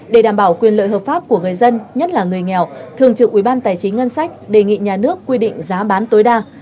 để đảm bảo quyền lợi hợp pháp của người dân nhất là người nghèo thường trực ubnd tài chính ngân sách đề nghị nhà nước quy định giá bán tối đa